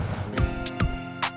kalian ini masih suami apa